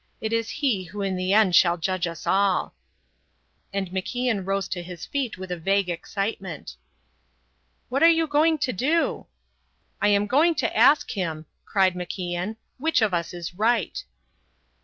It is he who in the end shall judge us all." And MacIan rose to his feet with a vague excitement. "What are you going to do?" "I am going to ask him," cried MacIan, "which of us is right."